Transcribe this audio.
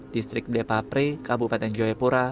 distrik depapre kabupaten joyepura